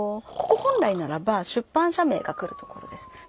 ここ本来ならば出版社名が来るところです。